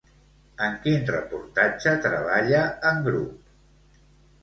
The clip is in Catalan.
En quin reportatge treballa en grup?